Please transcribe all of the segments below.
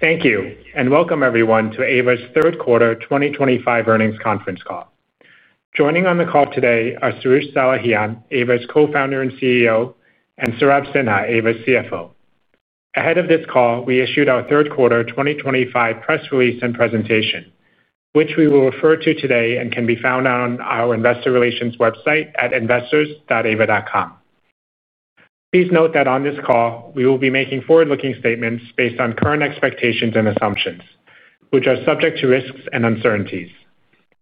Thank you, and welcome everyone to Aeva's Third Quarter 2025 Earnings Conference Call. Joining on the call today are Soroush Salehian, Aeva's Co-founder and CEO, and Saurabh Sinha, Aeva's CFO. Ahead of this call, we issued our third quarter 2025 press release and presentation, which we will refer to today and can be found on our investor relations website at investors.aeva.com. Please note that on this call, we will be making forward-looking statements based on current expectations and assumptions, which are subject to risks and uncertainties.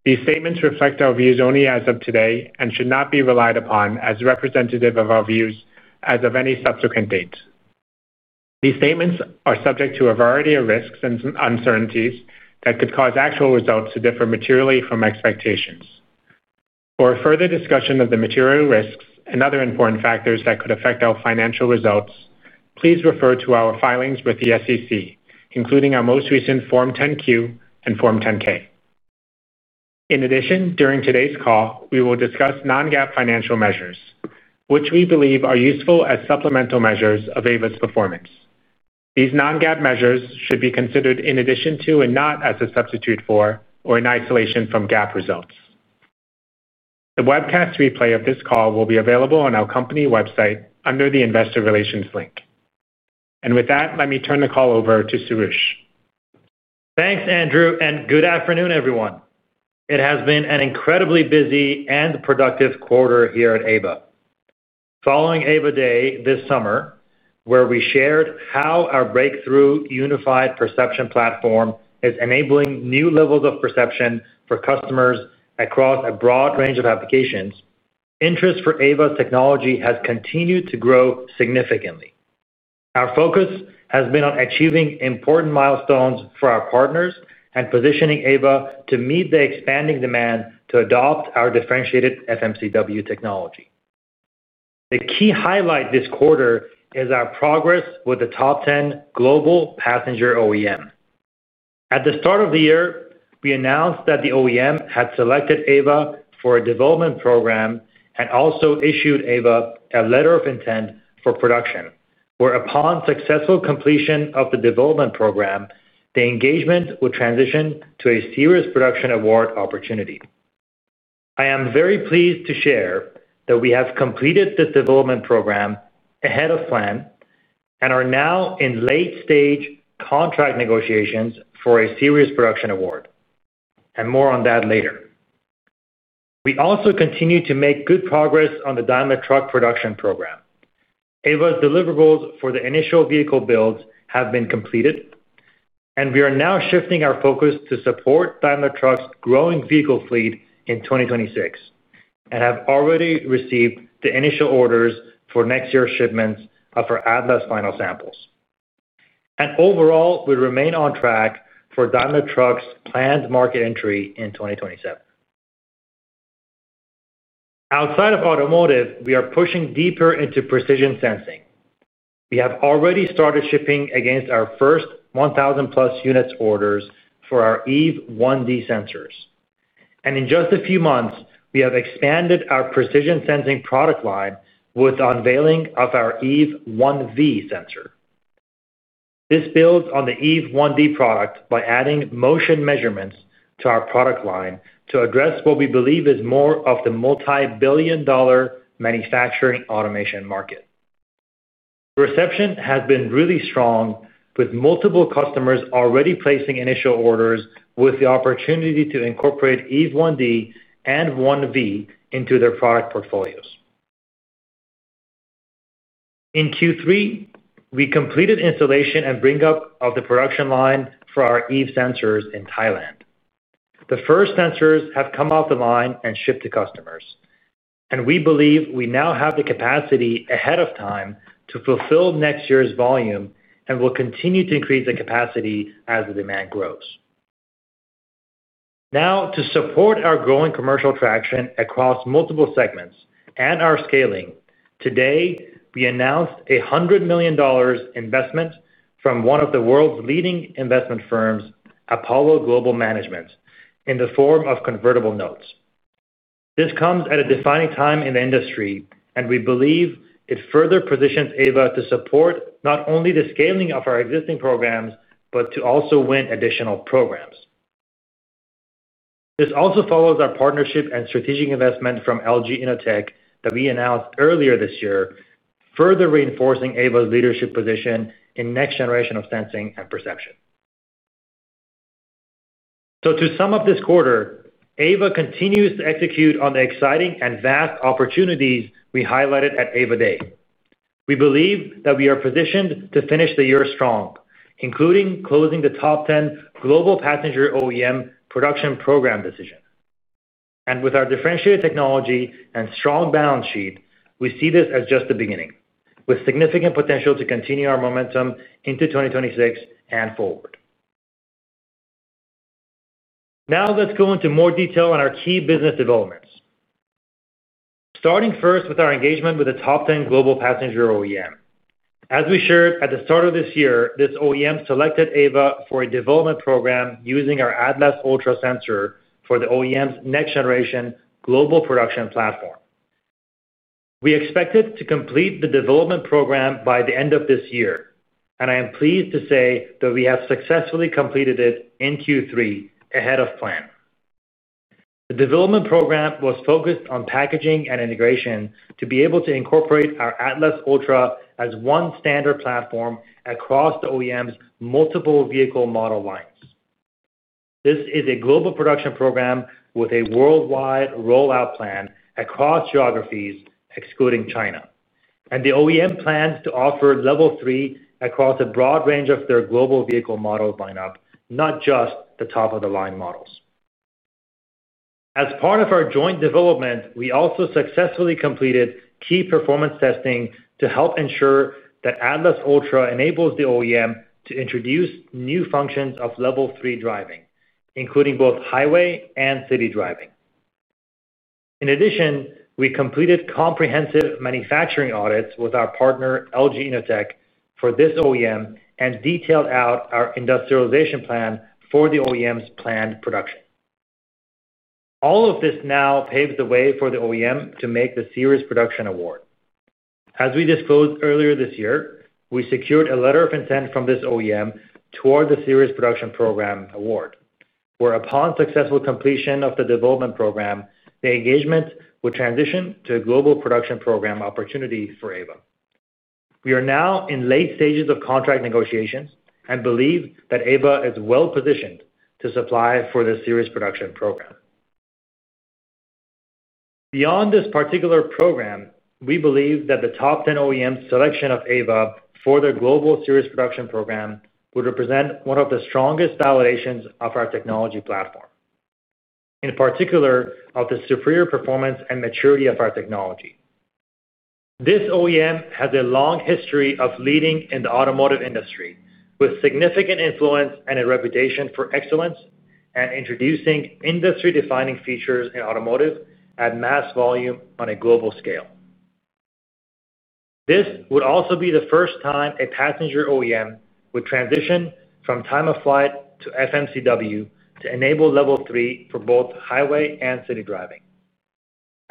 These statements reflect our views only as of today and should not be relied upon as representative of our views as of any subsequent date. These statements are subject to a variety of risks and uncertainties that could cause actual results to differ materially from expectations. For further discussion of the material risks and other important factors that could affect our financial results, please refer to our filings with the SEC, including our most recent Form 10-Q and Form 10-K. In addition, during today's call, we will discuss non-GAAP financial measures, which we believe are useful as supplemental measures of Aeva's performance. These non-GAAP measures should be considered in addition to and not as a substitute for or in isolation from GAAP results. The webcast replay of this call will be available on our company website under the investor relations link. With that, let me turn the call over to Soroush. Thanks, Andrew, and good afternoon, everyone. It has been an incredibly busy and productive quarter here at Aeva. Following Aeva Day this summer, where we shared how our breakthrough unified perception platform is enabling new levels of perception for customers across a broad range of applications, interest for Aeva's technology has continued to grow significantly. Our focus has been on achieving important milestones for our partners and positioning Aeva to meet the expanding demand to adopt our differentiated FMCW technology. The key highlight this quarter is our progress with the top 10 global passenger OEM. At the start of the year, we announced that the OEM had selected Aeva for a development program and also issued Aeva a letter of intent for production, whereupon successful completion of the development program, the engagement would transition to a serious production award opportunity. I am very pleased to share that we have completed the development program ahead of plan and are now in late-stage contract negotiations for a serious production award. More on that later. We also continue to make good progress on the Daimler Truck production program. Aeva's deliverables for the initial vehicle builds have been completed, and we are now shifting our focus to support Daimler Truck's growing vehicle fleet in 2026 and have already received the initial orders for next year's shipments of our Atlas final samples. Overall, we remain on track for Daimler Truck's planned market entry in 2027. Outside of automotive, we are pushing deeper into precision sensing. We have already started shipping against our first 1,000-plus units orders for our Eve 1D sensors. In just a few months, we have expanded our precision sensing product line with the unveiling of our Eve 1V sensor. This builds on the Eve 1D product by adding motion measurements to our product line to address what we believe is more of the multi-billion-dollar manufacturing automation market. Reception has been really strong, with multiple customers already placing initial orders with the opportunity to incorporate Eve 1D and 1V into their product portfolios. In Q3, we completed installation and bring-up of the production line for our Eve sensors in Thailand. The first sensors have come off the line and shipped to customers, and we believe we now have the capacity ahead of time to fulfill next year's volume and will continue to increase the capacity as the demand grows. Now, to support our growing commercial traction across multiple segments and our scaling, today we announced a $100 million investment from one of the world's leading investment firms, Apollo Global Management, in the form of convertible notes. This comes at a defining time in the industry, and we believe it further positions Aeva to support not only the scaling of our existing programs but to also win additional programs. This also follows our partnership and strategic investment from LG Innotek that we announced earlier this year, further reinforcing Aeva's leadership position in next-generation of sensing and perception. To sum up this quarter, Aeva continues to execute on the exciting and vast opportunities we highlighted at Aeva Day. We believe that we are positioned to finish the year strong, including closing the top 10 global passenger OEM production program decision. With our differentiated technology and strong balance sheet, we see this as just the beginning, with significant potential to continue our momentum into 2026 and forward. Now, let's go into more detail on our key business developments. Starting first with our engagement with the top 10 global passenger OEM. As we shared at the start of this year, this OEM selected Aeva for a development program using our Atlas Ultra sensor for the OEM's next-generation global production platform. We expected to complete the development program by the end of this year, and I am pleased to say that we have successfully completed it in Q3 ahead of plan. The development program was focused on packaging and integration to be able to incorporate our Atlas Ultra as one standard platform across the OEM's multiple vehicle model lines. This is a global production program with a worldwide rollout plan across geographies, excluding China. The OEM plans to offer Level three across a broad range of their global vehicle model lineup, not just the top-of-the-line models. As part of our joint development, we also successfully completed key performance testing to help ensure that Atlas Ultra enables the OEM to introduce new functions of Level three driving, including both highway and city driving. In addition, we completed comprehensive manufacturing audits with our partner, LG Innotek, for this OEM and detailed out our industrialization plan for the OEM's planned production. All of this now paves the way for the OEM to make the series production award. As we disclosed earlier this year, we secured a letter of intent from this OEM toward the series production program award, whereupon successful completion of the development program, the engagement would transition to a global production program opportunity for Aeva. We are now in late stages of contract negotiations and believe that Aeva is well positioned to supply for the series production program. Beyond this particular program, we believe that the top 10 OEM's selection of Aeva for their global series production program would represent one of the strongest validations of our technology platform. In particular, of the superior performance and maturity of our technology. This OEM has a long history of leading in the automotive industry, with significant influence and a reputation for excellence and introducing industry-defining features in automotive at mass volume on a global scale. This would also be the first time a passenger OEM would transition from Time-of-Flight to FMCW to enable Level three for both highway and city driving.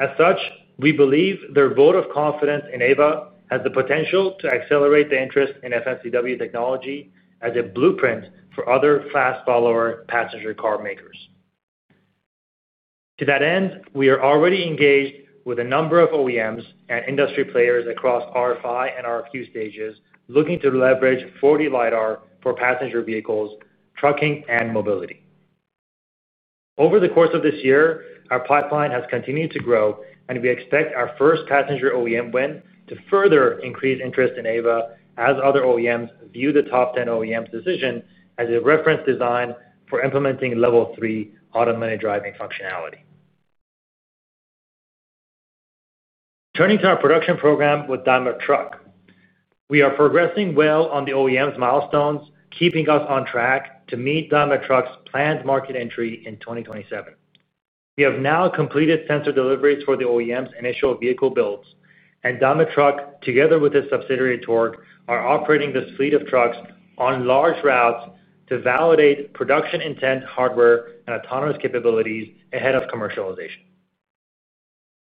As such, we believe their vote of confidence in Aeva has the potential to accelerate the interest in FMCW technology as a blueprint for other fast-follower passenger car makers. To that end, we are already engaged with a number of OEMs and industry players across RFI and RFQ stages looking to leverage Atlas 40 LiDAR for passenger vehicles, trucking, and mobility. Over the course of this year, our pipeline has continued to grow, and we expect our first passenger OEM win to further increase interest in Aeva as other OEMs view the top 10 OEM's decision as a reference design for implementing Level three automotive driving functionality. Turning to our production program with Daimler Truck, we are progressing well on the OEM's milestones, keeping us on track to meet Daimler Truck's planned market entry in 2027. We have now completed sensor deliveries for the OEM's initial vehicle builds, and Daimler Truck, together with its subsidiary Torc, are operating this fleet of trucks on large routes to validate production intent, hardware, and autonomous capabilities ahead of commercialization.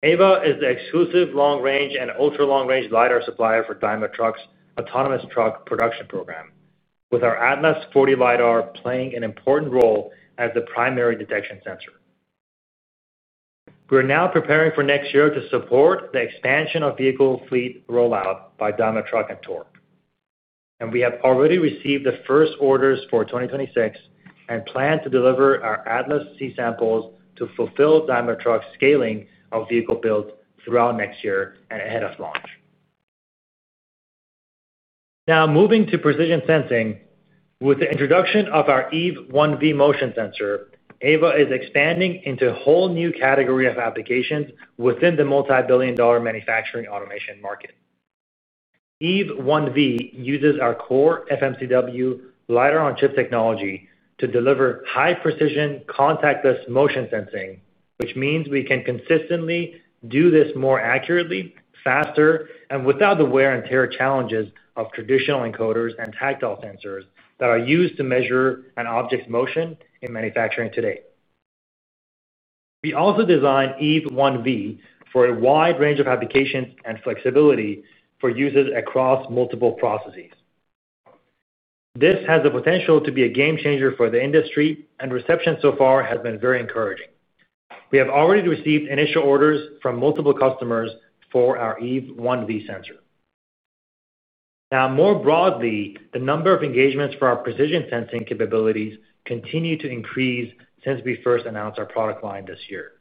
Aeva is the exclusive long-range and ultra-long-range LiDAR supplier for Daimler Truck's autonomous truck production program, with our Atlas 40 LiDAR playing an important role as the primary detection sensor. We are now preparing for next year to support the expansion of vehicle fleet rollout by Daimler Truck and Torc. We have already received the first orders for 2026 and plan to deliver our Atlas C samples to fulfill Daimler Truck's scaling of vehicle builds throughout next year and ahead of launch. Now, moving to precision sensing, with the introduction of our Eve 1V motion sensor, Aeva is expanding into a whole new category of applications within the multi-billion-dollar manufacturing automation market. Eve 1V uses our core FMCW LiDAR on-chip technology to deliver high-precision, contactless motion sensing, which means we can consistently do this more accurately, faster, and without the wear and tear challenges of traditional encoders and tactile sensors that are used to measure an object's motion in manufacturing today. We also designed Eve 1V for a wide range of applications and flexibility for users across multiple processes. This has the potential to be a game changer for the industry, and reception so far has been very encouraging. We have already received initial orders from multiple customers for our Eve 1V sensor. Now, more broadly, the number of engagements for our precision sensing capabilities continues to increase since we first announced our product line this year.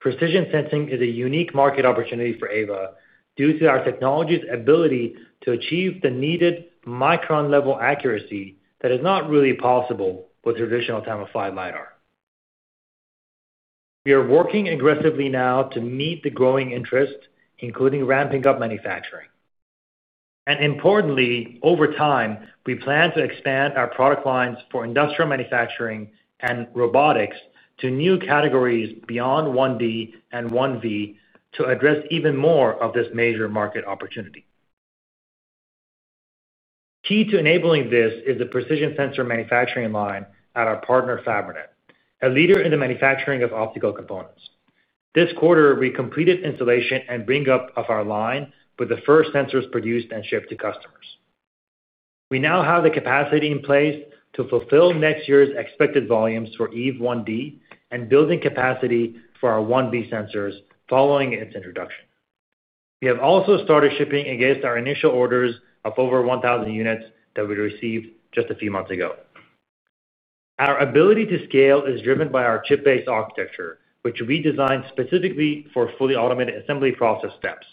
Precision sensing is a unique market opportunity for Aeva due to our technology's ability to achieve the needed micron-level accuracy that is not really possible with traditional Time-of-Flight LiDAR. We are working aggressively now to meet the growing interest, including ramping up manufacturing. Importantly, over time, we plan to expand our product lines for industrial manufacturing and robotics to new categories beyond 1D and 1V to address even more of this major market opportunity. Key to enabling this is the precision sensor manufacturing line at our partner, Fabrinet, a leader in the manufacturing of optical components. This quarter, we completed installation and bring-up of our line with the first sensors produced and shipped to customers. We now have the capacity in place to fulfill next year's expected volumes for Eve 1D and building capacity for our 1V sensors following its introduction. We have also started shipping against our initial orders of over 1,000 units that we received just a few months ago. Our ability to scale is driven by our chip-based architecture, which we designed specifically for fully automated assembly process steps.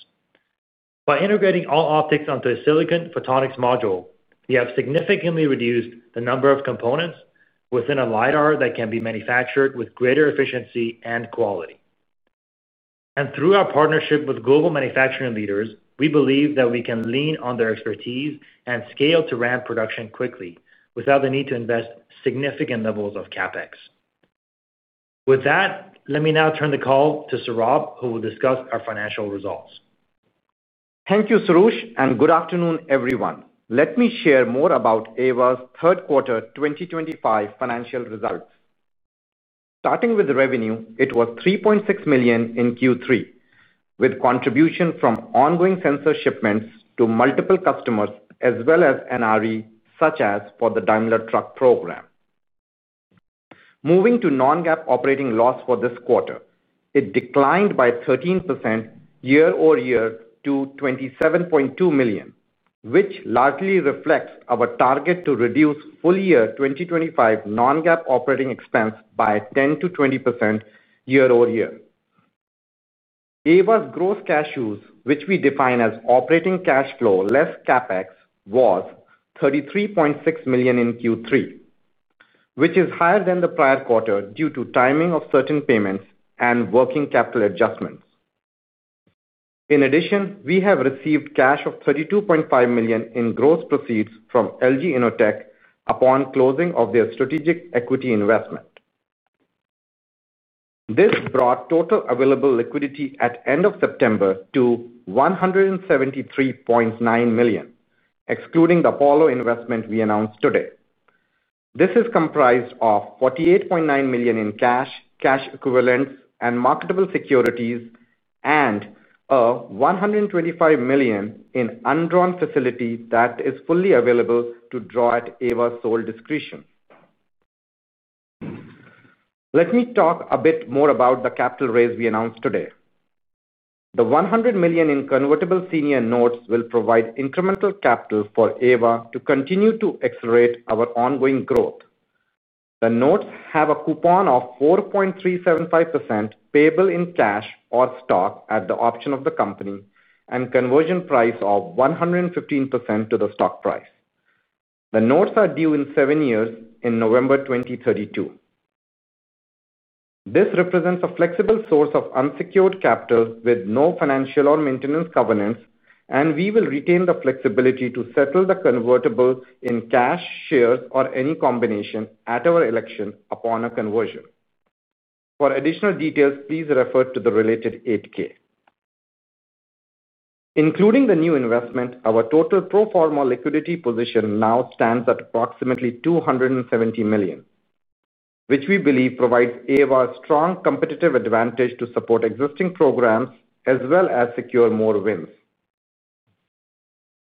By integrating all optics onto a silicon photonics module, we have significantly reduced the number of components within a LiDAR that can be manufactured with greater efficiency and quality. Through our partnership with global manufacturing leaders, we believe that we can lean on their expertise and scale to ramp production quickly without the need to invest significant levels of CapEx. With that, let me now turn the call to Saurabh, who will discuss our financial results. Thank you, Soroush, and good afternoon, everyone. Let me share more about Aeva's third-quarter 2025 financial results. Starting with revenue, it was $3.6 million in Q3, with contribution from ongoing sensor shipments to multiple customers as well as NRE, such as for the Daimler Truck program. Moving to non-GAAP operating loss for this quarter, it declined by 13% year-over-year to $27.2 million, which largely reflects our target to reduce full-year 2025 non-GAAP operating expense by 10%-20% year-over-year. Aeva's gross cash use, which we define as operating cash flow less CapEx, was $33.6 million in Q3, which is higher than the prior quarter due to timing of certain payments and working capital adjustments. In addition, we have received cash of $32.5 million in gross proceeds from LG Innotek upon closing of their strategic equity investment. This brought total available liquidity at the end of September to $173.9 million, excluding the Apollo investment we announced today. This is comprised of $48.9 million in cash, cash equivalents, and marketable securities, and a $125 million in undrawn facility that is fully available to draw at Aeva's sole discretion. Let me talk a bit more about the capital raise we announced today. The $100 million in convertible senior notes will provide incremental capital for Aeva to continue to accelerate our ongoing growth. The notes have a coupon of 4.375% payable in cash or stock at the option of the company and conversion price of 115% to the stock price. The notes are due in seven years in November 2032. This represents a flexible source of unsecured capital with no financial or maintenance covenants, and we will retain the flexibility to settle the convertible in cash, shares, or any combination at our election upon a conversion. For additional details, please refer to the related 8-K. Including the new investment, our total pro forma liquidity position now stands at approximately $270 million, which we believe provides Aeva a strong competitive advantage to support existing programs as well as secure more wins.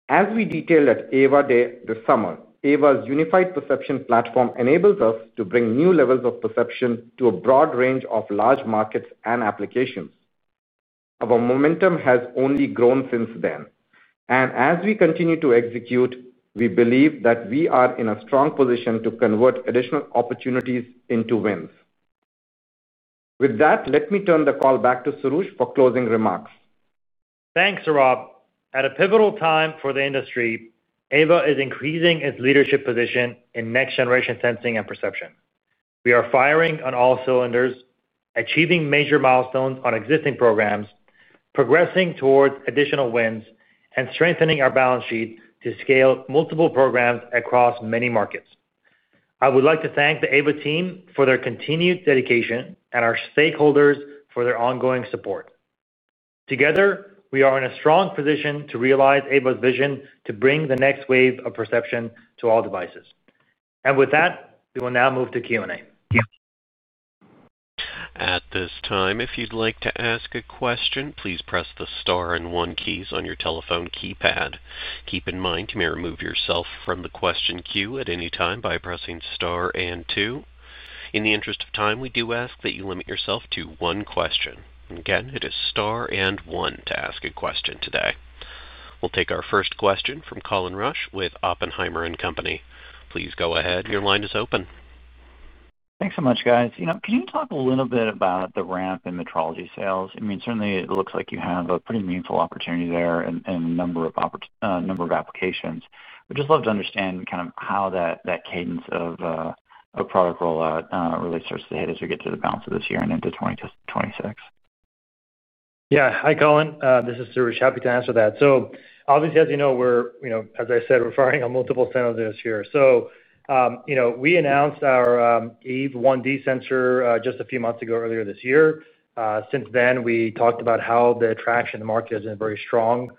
As we detailed at Aeva Day this summer, Aeva's unified perception platform enables us to bring new levels of perception to a broad range of large markets and applications. Our momentum has only grown since then. As we continue to execute, we believe that we are in a strong position to convert additional opportunities into wins. With that, let me turn the call back to Soroush for closing remarks. Thanks, Saurabh. At a pivotal time for the industry, Aeva is increasing its leadership position in next-generation sensing and perception. We are firing on all cylinders, achieving major milestones on existing programs, progressing towards additional wins, and strengthening our balance sheet to scale multiple programs across many markets. I would like to thank the Aeva team for their continued dedication and our stakeholders for their ongoing support. Together, we are in a strong position to realize Aeva's vision to bring the next wave of perception to all devices. We will now move to Q&A. At this time, if you'd like to ask a question, please press the star and one keys on your telephone keypad. Keep in mind you may remove yourself from the question queue at any time by pressing star and two. In the interest of time, we do ask that you limit yourself to one question. Again, it is star and one to ask a question today. We'll take our first question from Colin Rusch with Oppenheimer & Company. Please go ahead. Your line is open. Thanks so much, guys. You know, can you talk a little bit about the ramp in metrology sales? I mean, certainly, it looks like you have a pretty meaningful opportunity there and a number of applications. We'd just love to understand kind of how that cadence of a product rollout really starts to hit as we get to the balance of this year and into 2026. Yeah. Hi, Colin. This is Soroush. Happy to answer that. So obviously, as you know, we're, you know, as I said, we're firing on multiple cylinders here. You know, we announced our Eve 1D sensor just a few months ago, earlier this year. Since then, we talked about how the traction in the market has been very strong.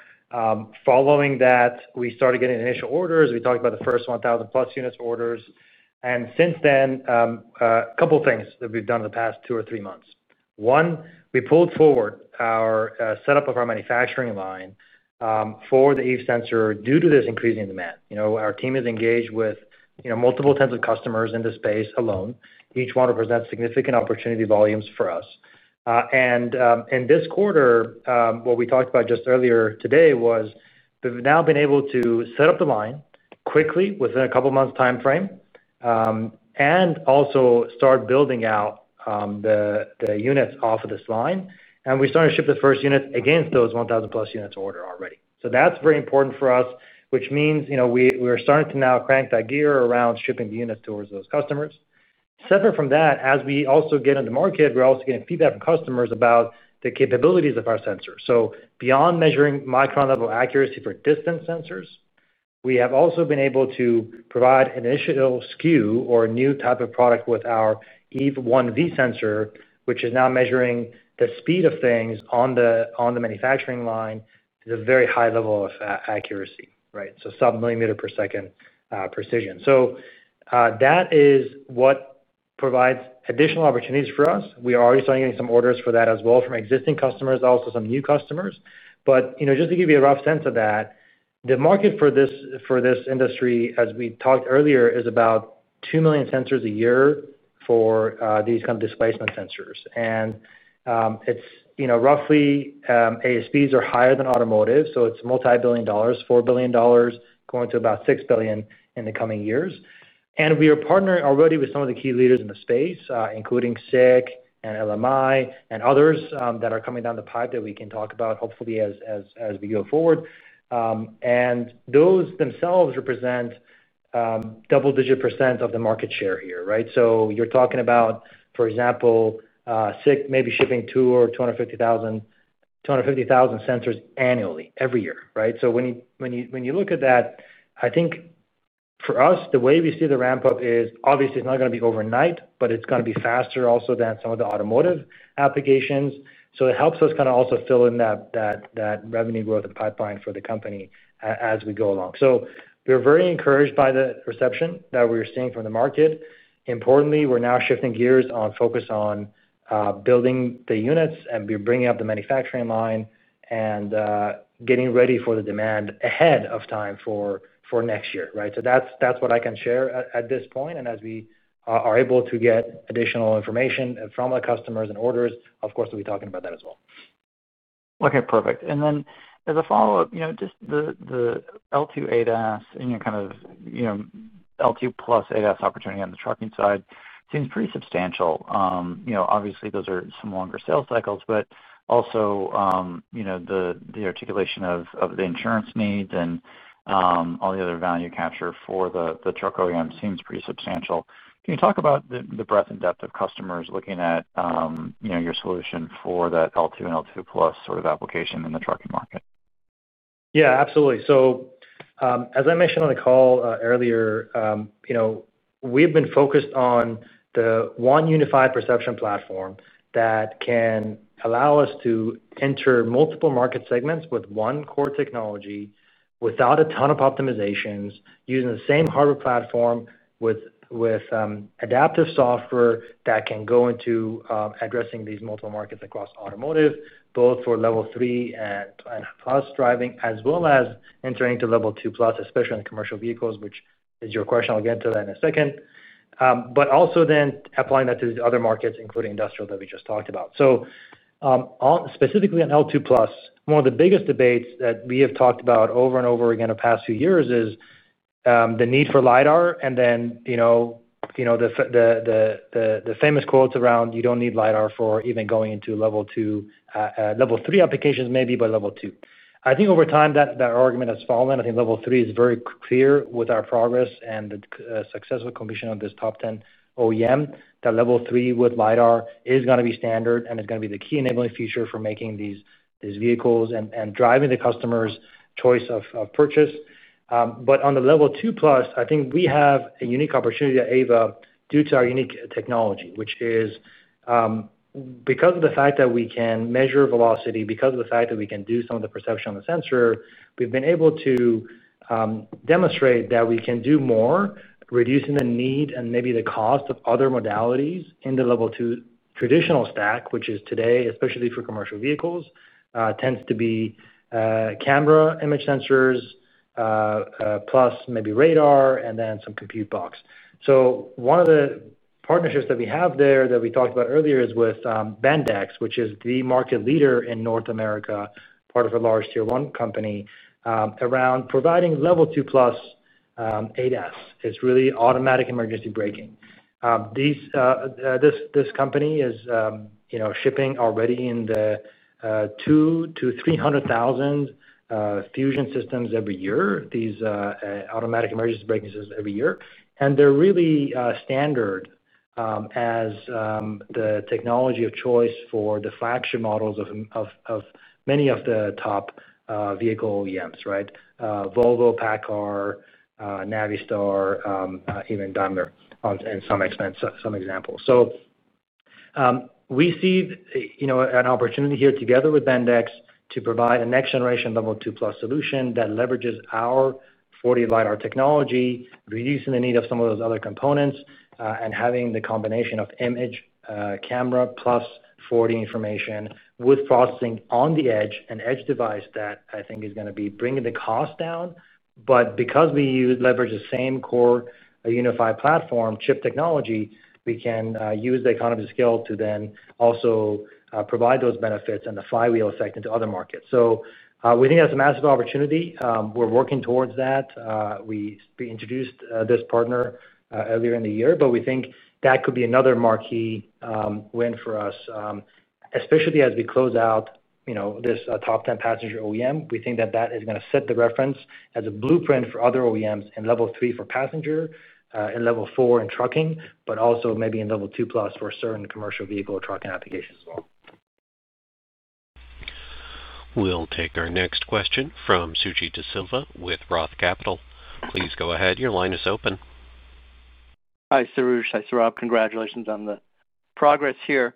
Following that, we started getting initial orders. We talked about the first 1,000-plus units orders. Since then, a couple of things that we've done in the past two or three months. One, we pulled forward our setup of our manufacturing line for the Eve sensor due to this increasing demand. You know, our team is engaged with, you know, multiple tens of customers in the space alone. Each one represents significant opportunity volumes for us. In this quarter, what we talked about just earlier today was, we've now been able to set up the line quickly within a couple of months' time frame and also start building out the units off of this line. We started to ship the first units against those 1,000-plus units order already. That is very important for us, which means, you know, we are starting to now crank that gear around shipping the units towards those customers. Separate from that, as we also get into the market, we're also getting feedback from customers about the capabilities of our sensor. Beyond measuring micron-level accuracy for distance sensors, we have also been able to provide an initial SKU or a new type of product with our Eve 1V sensor, which is now measuring the speed of things on the manufacturing line to a very high level of accuracy, right? Sub-millimeter per second precision. That is what provides additional opportunities for us. We are already starting getting some orders for that as well from existing customers, also some new customers. You know, just to give you a rough sense of that, the market for this industry, as we talked earlier, is about two million sensors a year for these kind of displacement sensors. It's, you know, roughly, ASPs are higher than automotive, so it's multi-billion dollars, $4 billion going to about $6 billion in the coming years. We are partnering already with some of the key leaders in the space, including SICK and LMI and others that are coming down the pipe that we can talk about hopefully as we go forward. Those themselves represent double-digit % of the market share here, right? You're talking about, for example, SICK maybe shipping 200,000 or 250,000 sensors annually every year, right? When you look at that, I think. For us, the way we see the ramp-up is obviously it's not going to be overnight, but it's going to be faster also than some of the automotive applications. It helps us kind of also fill in that revenue growth pipeline for the company as we go along. We're very encouraged by the reception that we're seeing from the market. Importantly, we're now shifting gears on focus on building the units, and we're bringing up the manufacturing line and getting ready for the demand ahead of time for next year, right? That's what I can share at this point. As we are able to get additional information from our customers and orders, of course, we'll be talking about that as well. Okay, perfect. And then as a follow-up, you know, just the L2 ADAS and your kind of, you know, L2+ ADAS opportunity on the trucking side seems pretty substantial. You know, obviously, those are some longer sales cycles, but also, you know, the articulation of the insurance needs and all the other value capture for the truck OEM seems pretty substantial. Can you talk about the breadth and depth of customers looking at your solution for that L2 and L2+ sort of application in the trucking market? Yeah, absolutely. As I mentioned on the call earlier, you know, we have been focused on the one unified perception platform that can allow us to enter multiple market segments with one core technology without a ton of optimizations, using the same hardware platform with. Adaptive software that can go into addressing these multiple markets across automotive, both for Level three and plus driving, as well as entering into Level two plus, especially in commercial vehicles, which is your question. I'll get into that in a second. Also then applying that to the other markets, including industrial that we just talked about. Specifically on L2+, one of the biggest debates that we have talked about over and over again the past few years is the need for LiDAR and then, you know, the famous quotes around, "You don't need LiDAR for even going into Level two, Level three applications, maybe, but Level two." I think over time, that argument has fallen. I think Level three is very clear with our progress and the successful completion of this top 10 OEM, that Level three with LiDAR is going to be standard and is going to be the key enabling feature for making these vehicles and driving the customer's choice of purchase. On the Level two plus, I think we have a unique opportunity at Aeva due to our unique technology, which is because of the fact that we can measure velocity, because of the fact that we can do some of the perception on the sensor. We have been able to demonstrate that we can do more, reducing the need and maybe the cost of other modalities in the Level two traditional stack, which is today, especially for commercial vehicles, tends to be camera image sensors plus maybe radar, and then some compute box. One of the partnerships that we have there that we talked about earlier is with Bendix, which is the market leader in North America, part of a large tier one company. Around providing Level two+ ADAS. It's really automatic emergency braking. This company is shipping already in the 200,000-300,000 Fusion systems every year, these automatic emergency braking systems every year. And they're really standard as the technology of choice for the flagship models of many of the top vehicle OEMs, right? Volvo, Paccar, Navistar, even Daimler on some examples. We see. An opportunity here together with Bendix to provide a next-generation Level two plus solution that leverages our 4D LiDAR technology, reducing the need of some of those other components, and having the combination of image camera plus 4D information with processing on the edge, an edge device that I think is going to be bringing the cost down. Because we leverage the same core unified platform chip technology, we can use the economy of scale to then also provide those benefits and the flywheel effect into other markets. We think that's a massive opportunity. We're working towards that. We introduced this partner earlier in the year, but we think that could be another marquee win for us. Especially as we close out this top 10 passenger OEM. We think that is going to set the reference as a blueprint for other OEMs in Level three for passenger, in Level four in trucking, but also maybe in Level two plus for certain commercial vehicle trucking applications as well. We'll take our next question from Suji Desilva with Roth Capital. Please go ahead. Your line is open. Hi, Soroush. Hi, Saurabh. Congratulations on the progress here.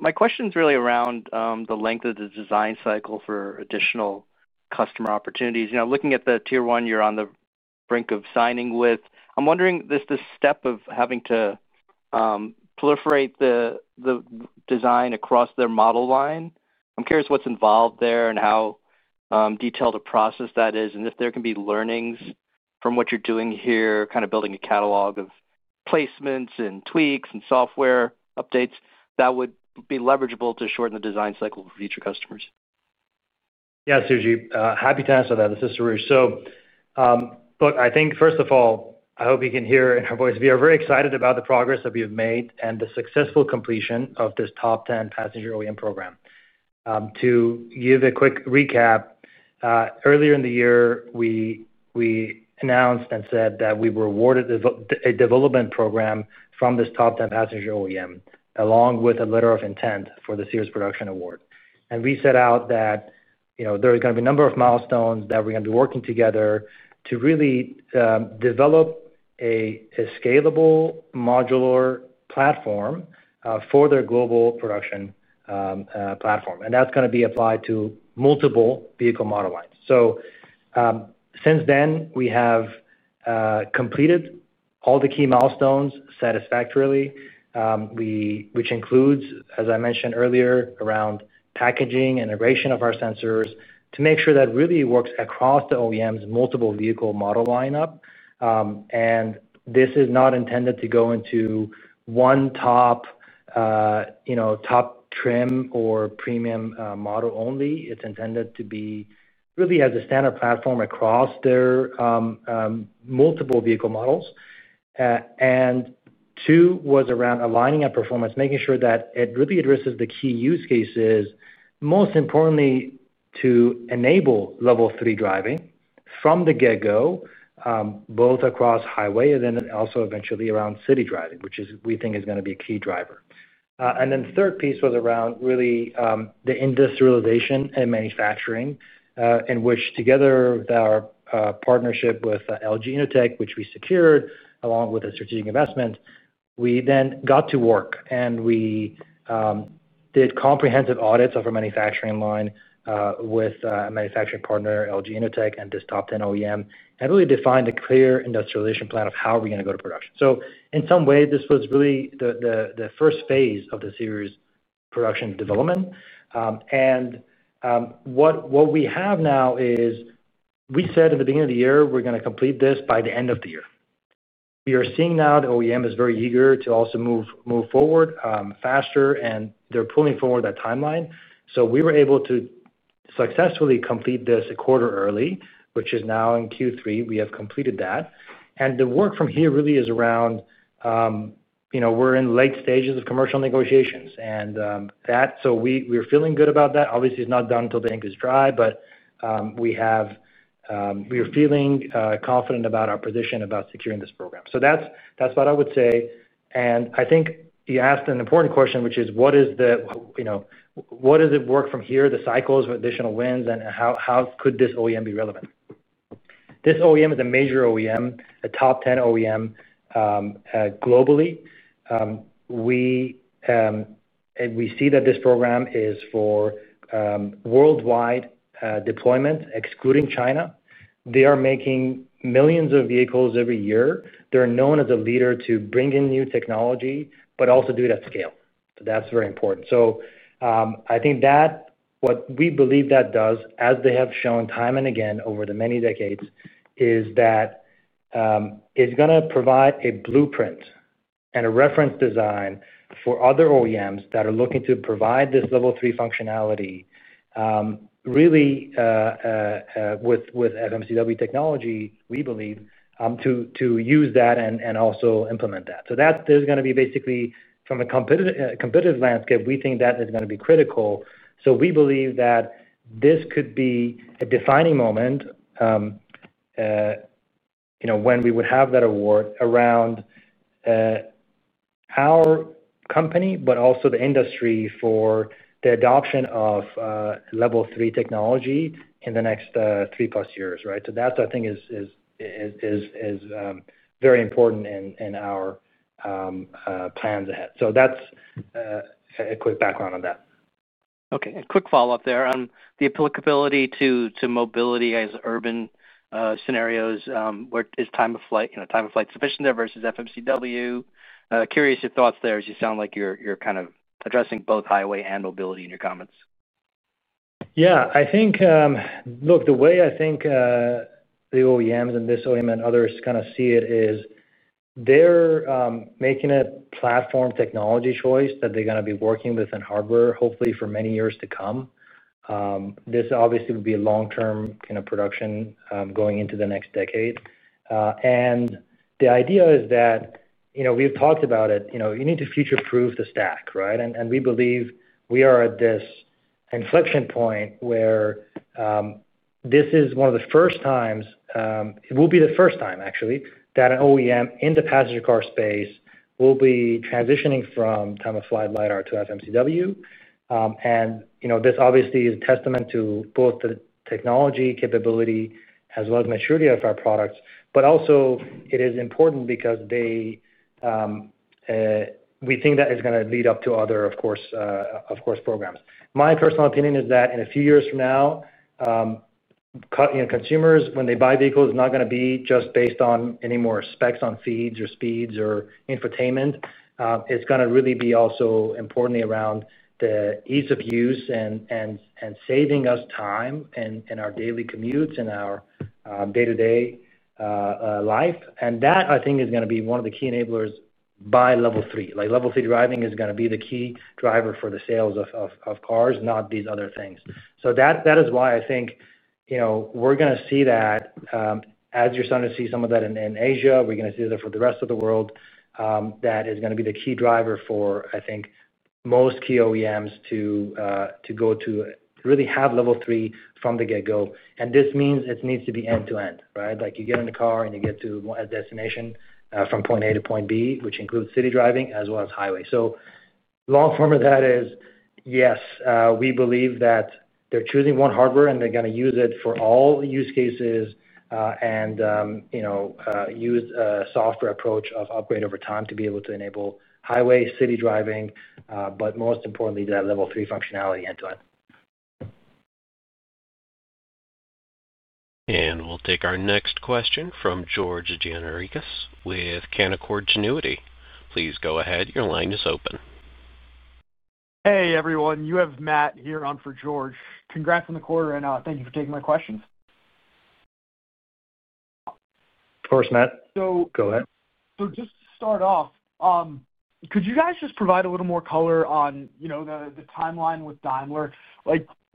My question is really around the length of the design cycle for additional customer opportunities. You know, looking at the tier one you're on the brink of signing with, I'm wondering, this step of having to proliferate the design across their model line, I'm curious what's involved there and how detailed a process that is. If there can be learnings from what you're doing here, kind of building a catalog of placements and tweaks and software updates, that would be leverageable to shorten the design cycle for future customers. Yeah, Suji, happy to answer that. This is Soroush. Look, I think first of all, I hope you can hear in our voice that we are very excited about the progress that we have made and the successful completion of this top 10 passenger OEM program. To give a quick recap, earlier in the year, we announced and said that we awarded a development program from this top 10 passenger OEM along with a letter of intent for the series production award. We set out that there are going to be a number of milestones that we're going to be working together to really develop a scalable modular platform for their global production. Platform. That is going to be applied to multiple vehicle model lines. Since then, we have completed all the key milestones satisfactorily, which includes, as I mentioned earlier, around packaging integration of our sensors to make sure that really works across the OEM's multiple vehicle model lineup. This is not intended to go into one top trim or premium model only. It is intended to be really as a standard platform across their multiple vehicle models. Two, was around aligning on performance, making sure that it really addresses the key use cases, most importantly, to enable Level three driving from the get-go, both across highway and then also eventually around city driving, which we think is going to be a key driver. The third piece was around really the industrialization and manufacturing, in which together with our partnership with LG Innotek, which we secured along with a strategic investment, we then got to work and we did comprehensive audits of our manufacturing line with a manufacturing partner, LG Innotek, and this top 10 OEM, and really defined a clear industrialization plan of how we're going to go to production. In some way, this was really the first phase of the series production development. What we have now is, we said at the beginning of the year, we're going to complete this by the end of the year. We are seeing now the OEM is very eager to also move forward faster, and they're pulling forward that timeline. We were able to successfully complete this a quarter early, which is now in Q3. We have completed that. The work from here really is around. We're in late stages of commercial negotiations. We're feeling good about that. Obviously, it's not done until the ink is dry, but we're feeling confident about our position about securing this program. That's what I would say. I think you asked an important question, which is, what is the work from here, the cycles with additional wins, and how could this OEM be relevant? This OEM is a major OEM, a top 10 OEM globally. We see that this program is for worldwide deployment, excluding China. They are making millions of vehicles every year. They're known as a leader to bring in new technology, but also do it at scale. That's very important. I think that what we believe that does, as they have shown time and again over the many decades, is that it's going to provide a blueprint and a reference design for other OEMs that are looking to provide this Level three functionality. Really, with FMCW technology, we believe, to use that and also implement that. That is going to be basically, from a competitive landscape, we think that is going to be critical. We believe that this could be a defining moment when we would have that award around our company, but also the industry for the adoption of Level three technology in the next three plus years, right? That, I think, is very important in our plans ahead. That's a quick background on that. Okay. A quick follow-up there on the applicability to mobility as urban scenarios, where is time of flight sufficient there versus FMCW? Curious your thoughts there as you sound like you're kind of addressing both highway and mobility in your comments. Yeah. Look, the way I think. The OEMs and this OEM and others kind of see it is. They're making a platform technology choice that they're going to be working within hardware, hopefully for many years to come. This obviously would be a long-term kind of production going into the next decade. The idea is that. We've talked about it. You need to future-proof the stack, right? We believe we are at this inflection point where. This is one of the first times, it will be the first time, actually, that an OEM in the passenger car space will be transitioning from time of flight LiDAR to FMCW. This obviously is a testament to both the technology capability as well as maturity of our products, but also it is important because we think that is going to lead up to other, of course, programs. My personal opinion is that in a few years from now, consumers, when they buy vehicles, it's not going to be just based on any more specs on feeds or speeds or infotainment. It's going to really be also importantly around the ease of use and saving us time in our daily commutes and our day-to-day life. That, I think, is going to be one of the key enablers by level three. Level three driving is going to be the key driver for the sales of cars, not these other things. That is why I think we're going to see that. As you're starting to see some of that in Asia, we're going to see that for the rest of the world. That is going to be the key driver for, I think, most key OEMs to go to really have Level three from the get-go. This means it needs to be end-to-end, right? You get in the car and you get to a destination from point A to point B, which includes city driving as well as highway. The long form of that is, yes, we believe that they're choosing one hardware and they're going to use it for all use cases and use a software approach of upgrade over time to be able to enable highway, city driving, but most importantly, that Level three functionality into it. We'll take our next question from George Gianarikas with Canaccord Genuity. Please go ahead. Your line is open. Hey, everyone. You have Matt here on for George. Congrats on the quarter. Thank you for taking my questions. Of course, Matt. Go ahead. Just to start off, could you guys just provide a little more color on the timeline with Daimler?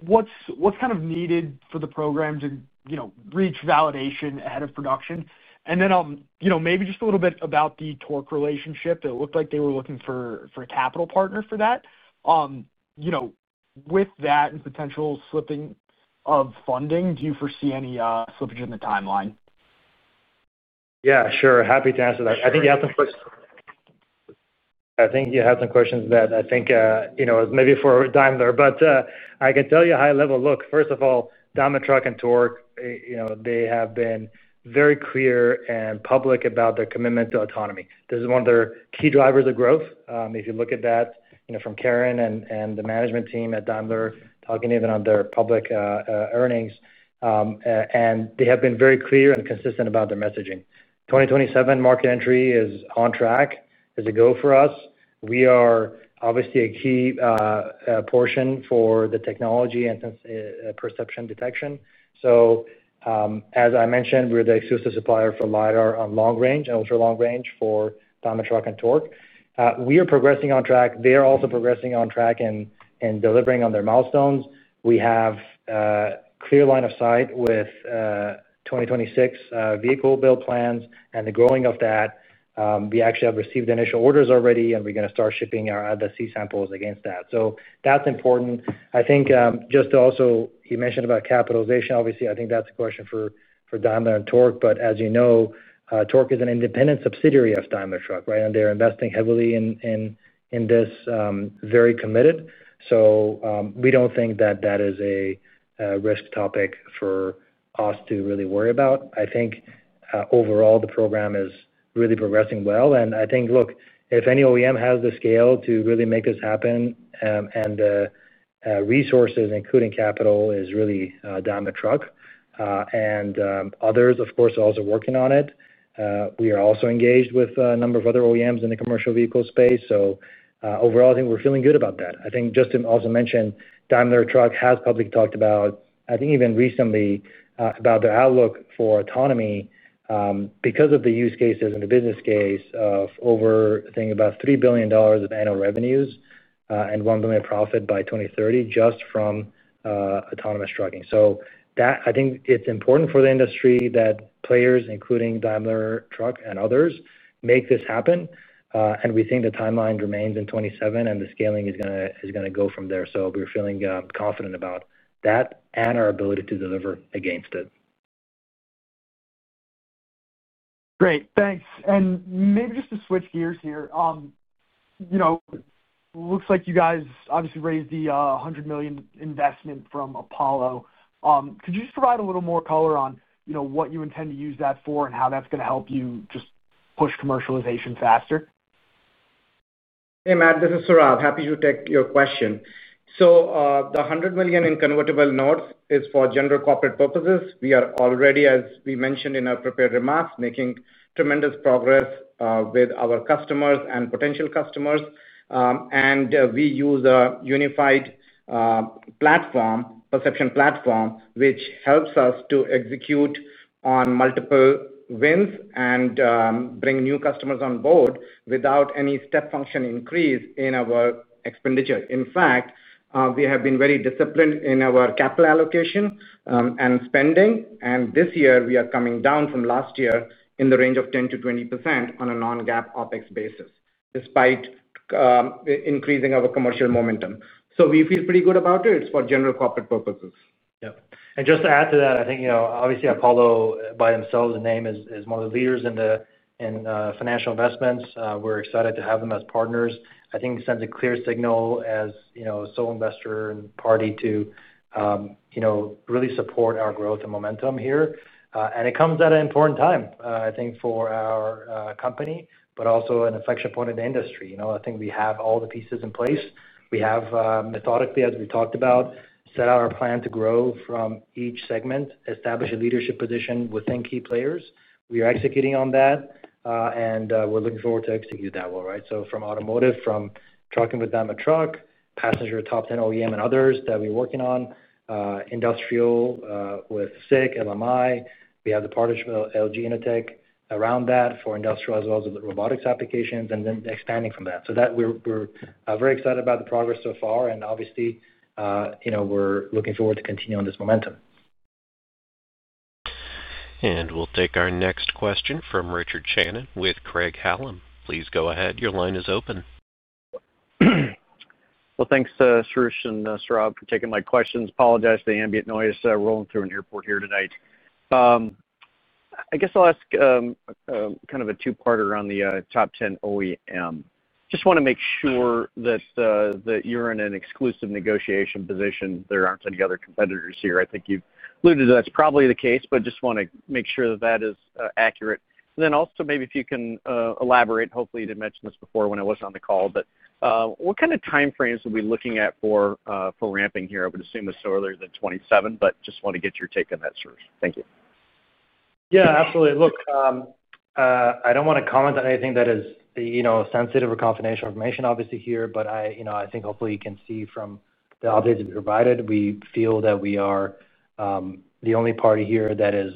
What's kind of needed for the program to reach validation ahead of production? Maybe just a little bit about the Torc relationship. It looked like they were looking for a capital partner for that. With that and potential slipping of funding, do you foresee any slippage in the timeline? Yeah, sure. Happy to answer that. I think you have some questions that are maybe for Daimler, but I can tell you a high-level look. First of all, Daimler Truck and Torc, they have been very clear and public about their commitment to autonomy. This is one of their key drivers of growth. If you look at that from Karen and the management team at Daimler talking even on their public earnings. They have been very clear and consistent about their messaging. 2027 market entry is on track. It's a go for us. We are obviously a key portion for the technology and perception detection. As I mentioned, we're the exclusive supplier for LiDAR on long range and ultra long range for Daimler Truck and Torc. We are progressing on track. They are also progressing on track in delivering on their milestones. We have a clear line of sight with 2026 vehicle build plans and the growing of that. We actually have received initial orders already, and we're going to start shipping our C samples against that. That's important. I think just to also you mentioned about capitalization. Obviously, I think that's a question for Daimler and Torc, but as you know, Torc is an independent subsidiary of Daimler Truck, right? They're investing heavily in this, very committed. We don't think that that is a risk topic for us to really worry about. I think overall, the program is really progressing well. I think, look, if any OEM has the scale to really make this happen and the resources, including capital, it is really Daimler Truck. Others, of course, are also working on it. We are also engaged with a number of other OEMs in the commercial vehicle space. Overall, I think we're feeling good about that. I think Justin also mentioned Daimler Truck has publicly talked about, I think even recently, their outlook for autonomy. Because of the use cases and the business case of over, I think, about $3 billion of annual revenues and $1 billion profit by 2030 just from autonomous trucking. I think it's important for the industry that players, including Daimler Truck and others, make this happen. We think the timeline remains in 2027, and the scaling is going to go from there. We're feeling confident about that and our ability to deliver against it. Great. Thanks. Maybe just to switch gears here. Looks like you guys obviously raised the $100 million investment from Apollo. Could you just provide a little more color on what you intend to use that for and how that's going to help you just push commercialization faster? Hey, Matt, this is Saurabh. Happy to take your question. The $100 million in convertible notes is for general corporate purposes. We are already, as we mentioned in our prepared remarks, making tremendous progress with our customers and potential customers. We use a unified perception platform, which helps us to execute on multiple wins and bring new customers on board without any step function increase in our expenditure. In fact, we have been very disciplined in our capital allocation and spending. This year, we are coming down from last year in the range of 10%-20% on a non-GAAP OpEx basis, despite increasing our commercial momentum. We feel pretty good about it. It is for general corporate purposes. Yeah. Just to add to that, I think obviously, Apollo by themselves, the name is one of the leaders in financial investments. We are excited to have them as partners. I think it sends a clear signal as a sole investor and party to. Really support our growth and momentum here. It comes at an important time, I think, for our company, but also an inflection point in the industry. I think we have all the pieces in place. We have methodically, as we talked about, set out our plan to grow from each segment, established a leadership position within key players. We are executing on that. We are looking forward to executing that well, right? From automotive, from trucking with Daimler Truck, passenger top 10 OEM and others that we're working on. Industrial with SICK, LMI. We have the partnership with LG Innotek around that for industrial as well as robotics applications, and then expanding from that. We are very excited about the progress so far. Obviously, we're looking forward to continuing this momentum. We'll take our next question from Richard Shannon with Craig-Hallum. Please go ahead. Your line is open. Thanks, Soroush and Saurabh, for taking my questions. Apologize for the ambient noise. We're rolling through an airport here tonight. I guess I'll ask kind of a two-parter on the top 10 OEM. Just want to make sure that you're in an exclusive negotiation position. There aren't any other competitors here. I think you've alluded to that's probably the case, but just want to make sure that that is accurate. Also, maybe if you can elaborate, hopefully you didn't mention this before when I was on the call, but what kind of time frames are we looking at for ramping here? I would assume it's earlier than 2027, but just want to get your take on that, Soroush. Thank you. Yeah, absolutely. Look, I don't want to comment on anything that is. Sensitive or confidential information, obviously, here, but I think hopefully you can see from the updates that we provided, we feel that we are the only party here that is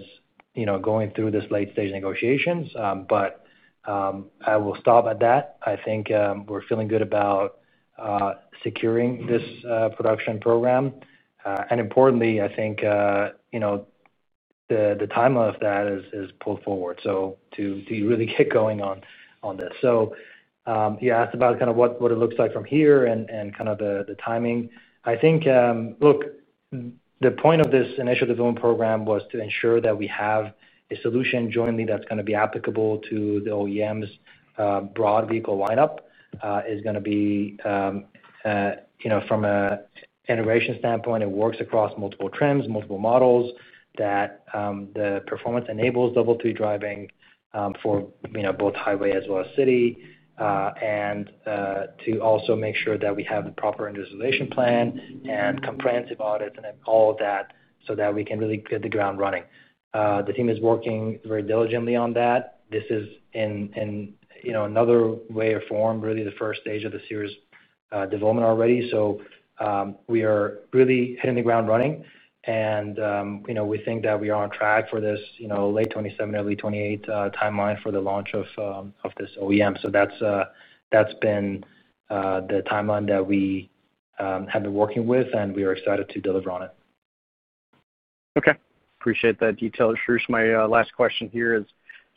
going through this late-stage negotiations. I will stop at that. I think we're feeling good about securing this production program. Importantly, I think the time of that is pulled forward to really get going on this. You asked about kind of what it looks like from here and kind of the timing. I think, look, the point of this initial development program was to ensure that we have a solution jointly that's going to be applicable to the OEM's broad vehicle lineup. It's going to be, from an integration standpoint, it works across multiple trims, multiple models that the performance enables Level three driving for both highway as well as city. To also make sure that we have the proper industrialization plan and comprehensive audits and all of that so that we can really get the ground running. The team is working very diligently on that. This is, in another way or form, really the first stage of the series development already. We are really hitting the ground running, and we think that we are on track for this late 2027, early 2028 timeline for the launch of this OEM. That has been the timeline that we have been working with, and we are excited to deliver on it. Okay. Appreciate that detail. Saurabh, my last question here is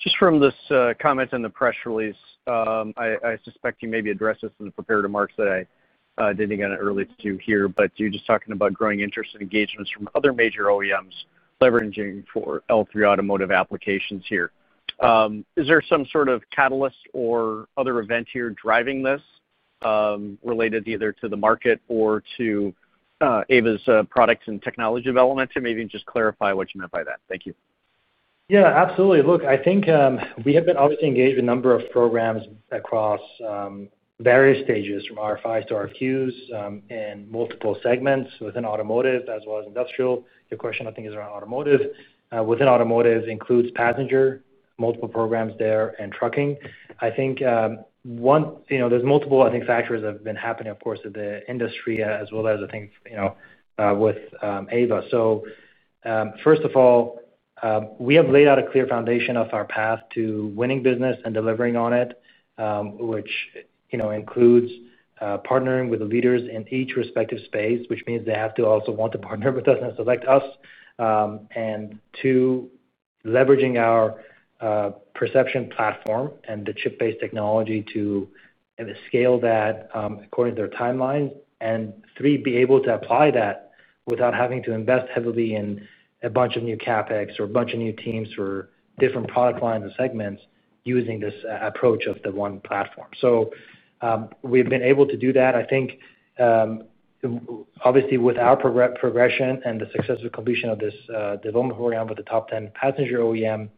just from this comment in the press release. I suspect you maybe addressed this in the prepared remarks that I did not get an early view here, but you are just talking about growing interest and engagements from other major OEMs leveraging for L3 automotive applications here. Is there some sort of catalyst or other event here driving this, related either to the market or to Aeva's products and technology development? And maybe just clarify what you meant by that. Thank you. Yeah, absolutely. Look, I think we have been obviously engaged in a number of programs across various stages from RFIs to RFQs in multiple segments within automotive as well as industrial. Your question, I think, is around automotive. Within automotive includes passenger, multiple programs there, and trucking. I think there are multiple, I think, factors that have been happening, of course, in the industry as well as, I think, with Aeva. First of all. We have laid out a clear foundation of our path to winning business and delivering on it, which includes partnering with the leaders in each respective space, which means they have to also want to partner with us and select us. Two, leveraging our perception platform and the chip-based technology to scale that according to their timelines. Three, be able to apply that without having to invest heavily in a bunch of new CapEx or a bunch of new teams for different product lines and segments using this approach of the one platform. We have been able to do that. I think, obviously, with our progression and the successful completion of this development program with the top 10 passenger OEM,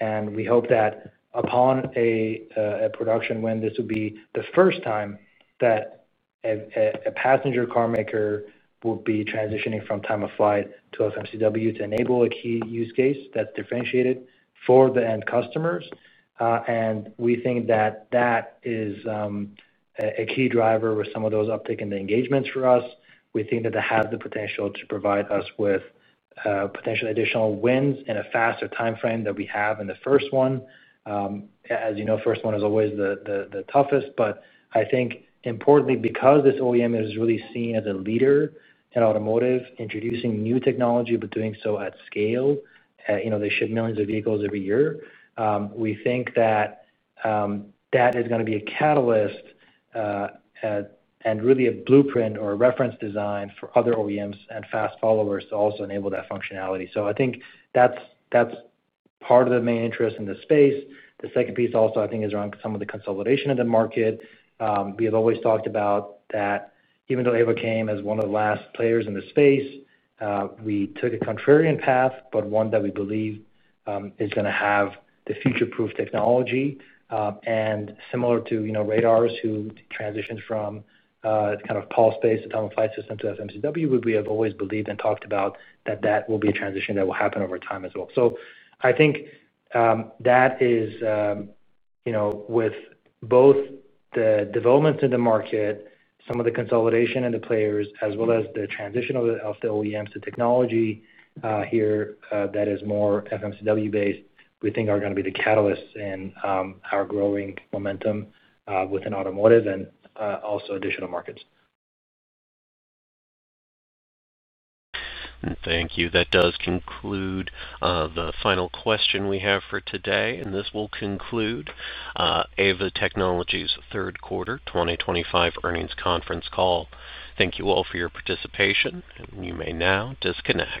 and we hope that upon a production win this would be the first time that. A passenger car maker would be transitioning from time-of-flight to FMCW to enable a key use case that's differentiated for the end customers. We think that is a key driver with some of those uptake and the engagements for us. We think that it has the potential to provide us with potential additional wins in a faster timeframe than we have in the first one. As you know, the first one is always the toughest. Importantly, because this OEM is really seen as a leader in automotive, introducing new technology but doing so at scale, they ship millions of vehicles every year. We think that is going to be a catalyst and really a blueprint or a reference design for other OEMs and fast followers to also enable that functionality. I think that's part of the main interest in the space. The second piece also, I think, is around some of the consolidation of the market. We have always talked about that even though Aeva came as one of the last players in the space. We took a contrarian path, but one that we believe is going to have the future-proof technology. Similar to radars who transitioned from kind of pulse-based autonomous flight system to FMCW, we have always believed and talked about that that will be a transition that will happen over time as well. I think that is, with both the developments in the market, some of the consolidation and the players, as well as the transition of the OEMs to technology here that is more FMCW-based, we think are going to be the catalysts in our growing momentum within automotive and also additional markets. Thank you. That does conclude the final question we have for today. This will conclude Aeva Technologies' Third Quarter 2025 Earnings Conference Call. Thank you all for your participation. You may now disconnect.